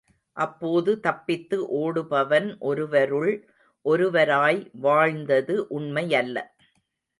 அப்போது தப்பித்து ஓடுபவன் ஒருவருள் ஒருவராய் வாழ்ந்தது உண்மையல்ல.